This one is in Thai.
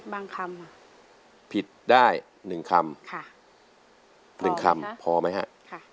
คำผิดได้หนึ่งคำค่ะหนึ่งคำพอไหมฮะค่ะ